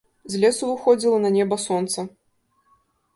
З лесу выходзіла на неба сонца.